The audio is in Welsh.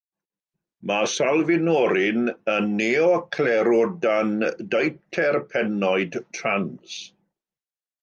Mae salfinorin yn neoclerodan-deuterpenoid “trans”.